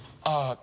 ああ！